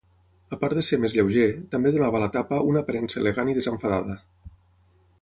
A part de ser més lleuger, també donava a la tapa una aparença elegant i desenfadada.